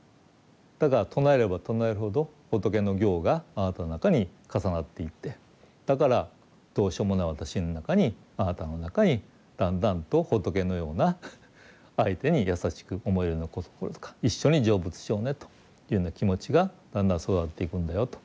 だから唱えれば唱えるほど仏の行があなたの中に重なっていってだからどうしようもない私の中にあなたの中にだんだんと仏のような相手に優しく思えるような心とか一緒に成仏しようねというような気持ちがだんだん育っていくんだよと。